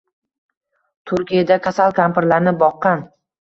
Turkiyada kasal kampirlarni boqqan